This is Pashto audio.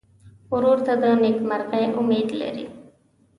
ورور ته د نېکمرغۍ امید لرې.